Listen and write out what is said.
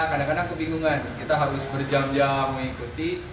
kadang kadang kebingungan kita harus berjam jam mengikuti